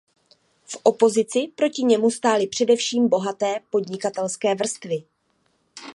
V opozici proti němu stály především bohaté podnikatelské vrstvy.